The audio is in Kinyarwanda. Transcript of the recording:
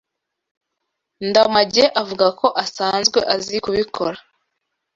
Ndamage avuga ko asanzwe azi kubikora.